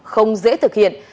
không dễ thực hiện